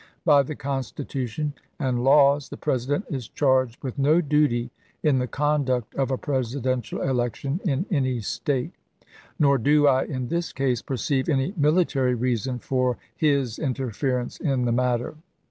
By the Constitution and laws the President is charged with no duty in the conduct of a Presidential election in any State j nor do I, in this case, perceive any military reason for his interference in the matter.